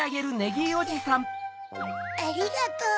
ありがとう！